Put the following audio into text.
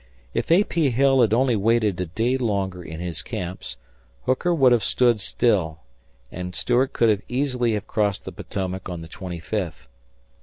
If A. P. Hill had only waited a day longer in his camps, Hooker would have stood still, and Stuart could easily have crossed the Potomac on the twenty fifth.